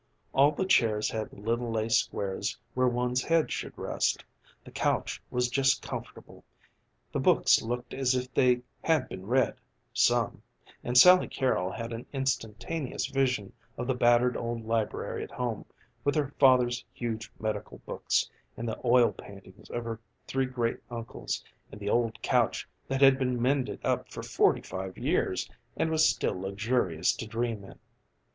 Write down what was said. All the chairs had little lace squares where one's head should rest, the couch was just comfortable, the books looked as if they had been read some and Sally Carrol had an instantaneous vision of the battered old library at home, with her father's huge medical books, and the oil paintings of her three great uncles, and the old couch that had been mended up for forty five years and was still luxurious to dream in.